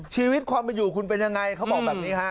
ชีวิตความเป็นอยู่คุณเป็นยังไงเขาบอกแบบนี้ฮะ